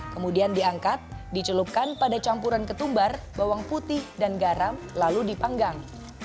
kemudian diangkat dicelupkan pada campuran ketumbar bawang putih dan garam lalu dipanggang